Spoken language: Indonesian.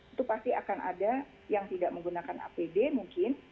itu pasti akan ada yang tidak menggunakan apd mungkin